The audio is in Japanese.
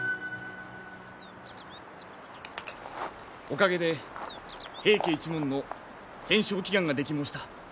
おかげで平家一門の戦捷祈願ができ申した。